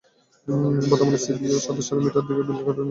বর্তমানে সিবিও সদস্যরা মিটার দেখে বিল করায় নিয়মিত বিল পাচ্ছে ওয়াসা।